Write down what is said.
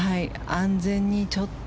安全にちょっと。